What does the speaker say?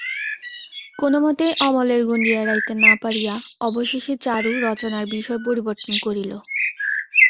কোনোমতেই অমলের গণ্ডি এড়াইতে না পারিয়া অবশেষে চারু রচনার বিষয় পরিবর্তন করিল।